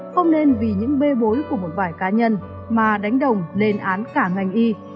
không nên vì những bê bối của một vài cá nhân mà đánh đồng lên án cả ngành y